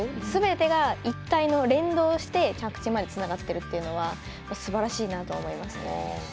すべてが一体の連動して着地までつながっているというのはすばらしいなと思いましたね。